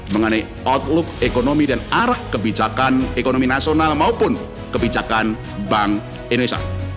mengenai outlook ekonomi dan arah kebijakan ekonomi nasional maupun kebijakan bank indonesia